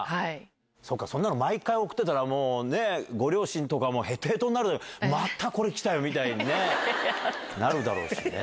そうか、そんなの毎回送ってたらもう、ご両親とか、へとへとになる、またこれ来たよみたいにね、なるだろうしね。